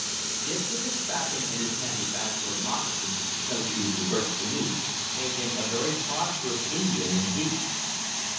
This with his trapping, and his manufacture of moccasins, snowshoes and birch canoes, made him a very prosperous Indian indeed.